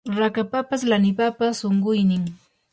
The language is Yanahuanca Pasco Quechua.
rakapapas lanipapas unquynin